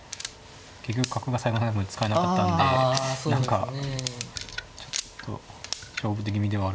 結局角が最後の最後まで使えなかったんで何かちょっと勝負手気味ではあるんですけど。